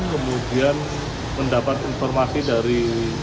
kemudian mendapat informasi dari